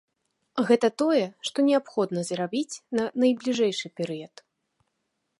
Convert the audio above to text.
Гэта тое, што неабходна зрабіць на найбліжэйшы перыяд.